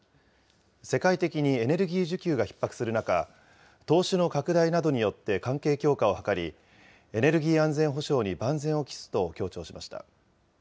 世界的にエネルギー需給がひっ迫する中、投資の拡大などによって関係強化を図り、エネルギー安全保障に万全を期すと強調しました。